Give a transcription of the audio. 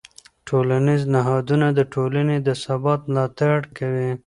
ټولنیز نهادونه د ټولنې د ثبات ملاتړ کوي.